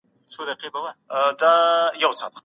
خلګو په لنډ وخت کي نوي مهارتونه او مسلکونه زده کړل.